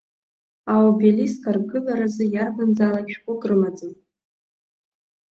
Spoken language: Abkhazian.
Аобелиск аргылараз, иарбанзаалак шәҟәык рымаӡам.